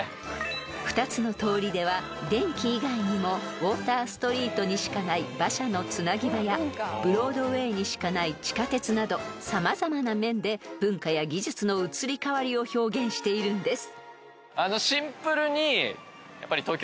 ［２つの通りでは電気以外にもウォーターストリートにしかない馬車のつなぎ場やブロードウェイにしかない地下鉄など様々な面で文化や技術の移り変わりを表現しているんです］